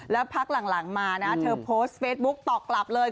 แล้วพักหลังมานะเธอโพสต์เฟซบุ๊คตอบกลับเลย